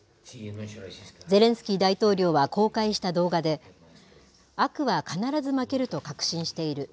ゼレンスキー大統領は公開した動画で、悪は必ず負けると確信している。